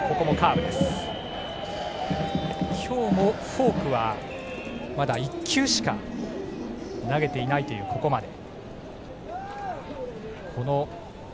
今日もフォークはまだ１球しか投げていないというここまで。